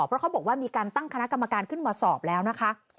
เพราะเขาบอกว่ามีการตั้งคณะกรรมการขึ้นมาสอบแล้วนะคะ